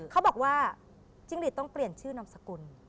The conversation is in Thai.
เขาบอกว่าจิ้งหลีดต้องเปลี่ยนชื่อนามสกุล